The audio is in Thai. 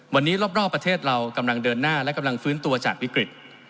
วันนี้รอบประเทศเรากำลังเดินหน้าและกำลังฟื้นตัวจากวิกฤต